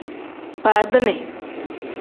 Faadini.